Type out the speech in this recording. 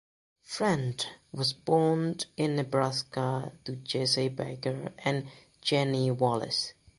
Friend was born in Nebraska to Jesse Baker and Jennie Wallace.